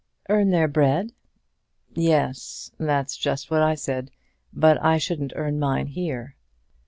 "Earn their bread." "Yes; that's just what I said. But I shouldn't earn mine here."